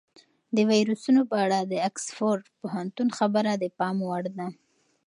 د ویروسونو په اړه د اکسفورډ پوهنتون خبره د پام وړ ده.